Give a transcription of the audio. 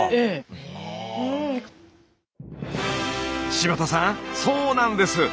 柴田さんそうなんです！